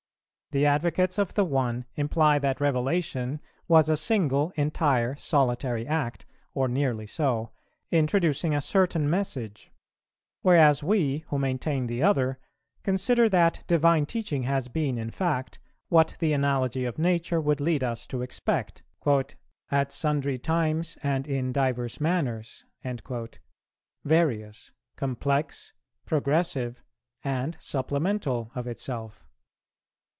The advocates of the one imply that Revelation was a single, entire, solitary act, or nearly so, introducing a certain message; whereas we, who maintain the other, consider that Divine teaching has been in fact, what the analogy of nature would lead us to expect, 'at sundry times and in divers manners,' various, complex, progressive, and supplemental of itself.